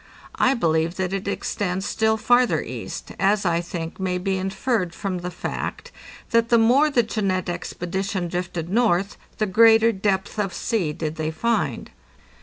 I believe that it extends still farther east, as, I think, may be inferred from the fact that the more the Jeannette expedition drifted north, the greater depth of sea did they find.